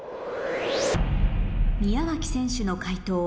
宮脇選手の解答